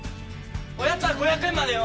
おやつは５００円までよ。